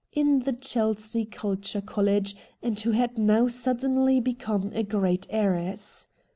— in the Chelsea Culture College, and who had now suddenly become a great heiress.